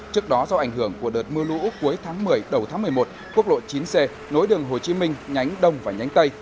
trước đó do ảnh hưởng của đợt mưa lũ cuối tháng một mươi đầu tháng một mươi một quốc lộ chín c nối đường hồ chí minh nhánh đông và nhánh tây